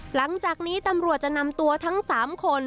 หลังจากนี้ตำรวจจะนำตัวทั้ง๓คน